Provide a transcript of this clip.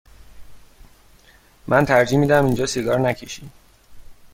من ترجیح می دهم اینجا سیگار نکشی.